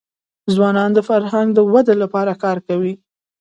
ځوانان د فرهنګ د ودي لپاره کار کوي.